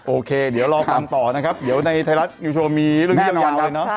โอเคเดี๋ยวรอความต่อนะครับเดี๋ยวในไทยรัฐยูโชว์มีเรื่องยาวเลยเนอะ